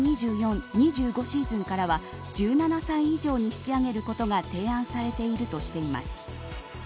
２０２４／２５シーズンからは１７歳以上に引き上げることが提案されているとしています。